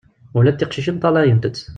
Ula d tiqcicin ṭṭalayent-tt.